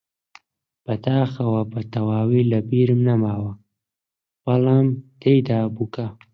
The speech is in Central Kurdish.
بەداخەوە بەتەواوی لەبیرم نەماوە، بەڵام تێیدابوو کە: